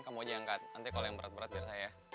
kalo yang berat berat biar saya